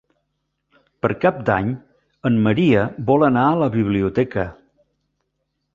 Per Cap d'Any en Maria vol anar a la biblioteca.